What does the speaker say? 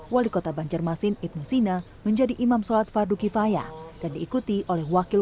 wali kota banjarmasin ibnu sina menjadi imam sholat fardu kifaya dan diikuti oleh wakil